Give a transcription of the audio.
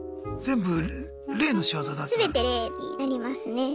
全て霊になりますね。